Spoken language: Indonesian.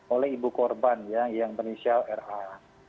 oleh ibu korban ya yang benisial rrt